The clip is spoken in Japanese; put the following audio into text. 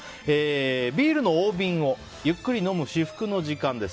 ビールの大瓶をゆっくり飲む至福の時間です。